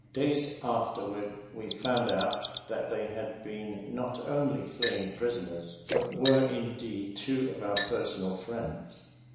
Days afterward we found out that they had been not only fleeing prisoners, but were, indeed, two of our personal friends.